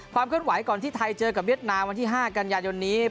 เคลื่อนไหวก่อนที่ไทยเจอกับเวียดนามวันที่๕กันยายนนี้